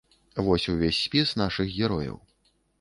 Вось увесь спіс нашых герояў.